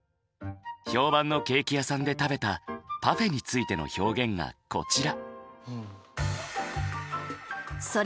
評判のケーキ屋さんで食べたパフェについての表現がこちら。